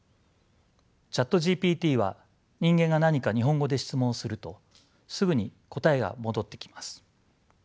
ＣｈａｔＧＰＴは人間が何か日本語で質問するとすぐに答えが戻ってきます。